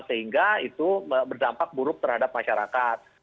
sehingga itu berdampak buruk terhadap masyarakat